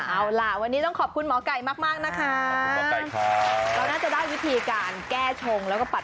เอาล่ะวันนี้ต้องขอบคุณหมอกไกมากนะคะ